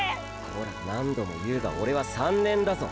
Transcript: コラ何度も言うがオレは３年だぞ。